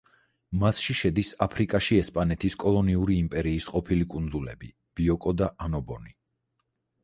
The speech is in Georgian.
მასში შედის აფრიკაში ესპანეთის კოლონიური იმპერიის ყოფილი კუნძულები ბიოკო და ანობონი.